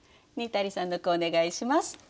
にたりさんの句お願いします。